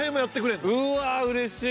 うわうれしい。